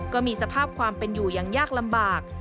ก็มีสภาพความเป็นอยู่อย่างยากลำบาก